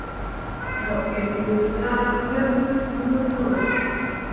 Mo inɓugezah wel wũ koro.